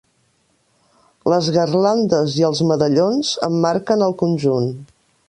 Les garlandes i els medallons emmarquen el conjunt.